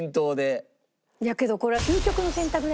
いやけどこれは。